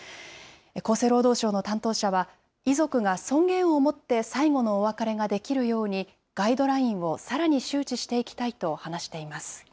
厚生労働省の担当者は、遺族が尊厳を持って最期のお別れができるようにガイドラインをさらに周知していきたいと話しています。